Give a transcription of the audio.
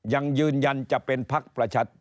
ยังยืนยันจะเป็นภักดิ์ประชาธิบัติ